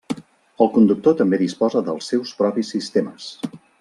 El conductor també disposa dels seus propis sistemes.